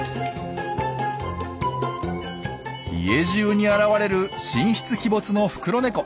家じゅうに現れる神出鬼没のフクロネコ。